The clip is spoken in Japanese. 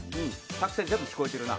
作戦全部聞こえてるな。